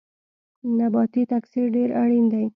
نباتي تکثیر ډیر اړین دی